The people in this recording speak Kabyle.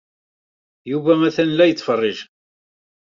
Yuba atan la yettfeṛṛiǧ.